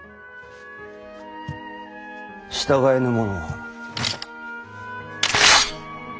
従えぬ者は。